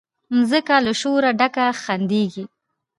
مځکه له شوره ډکه خندیږي